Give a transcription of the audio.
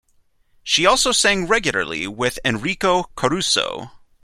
She also sang regularly with Enrico Caruso.